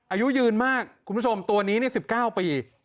อายุยืนมากคุณผู้ชมตัวนี้๑๙ปี